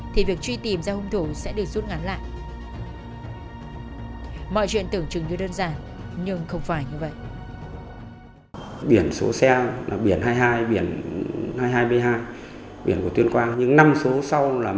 thì việc truy tìm ra hôm nay sẽ không đáng đáng đoán